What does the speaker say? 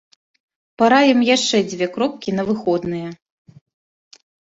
Параім яшчэ дзве кропкі на выходныя.